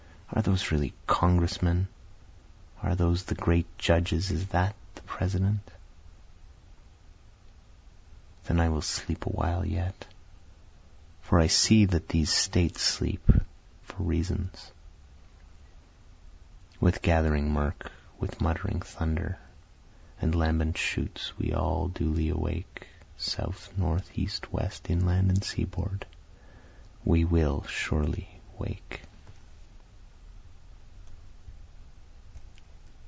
Are those really Congressmen? are those the great Judges? is that the President? Then I will sleep awhile yet, for I see that these States sleep, for reasons; (With gathering murk, with muttering thunder and lambent shoots we all duly awake, South, North, East, West, inland and seaboard, we will surely awake.)